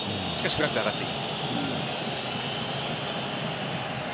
フラッグが上がっています。